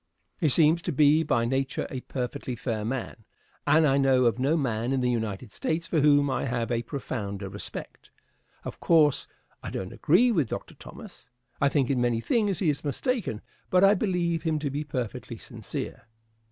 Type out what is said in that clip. He seems to be by nature a perfectly fair man; and I know of no man in the United States for whom I have a profounder respect. Of course, I don't agree with Dr. Thomas. I think in many things he is mistaken. But I believe him to be perfectly sincere.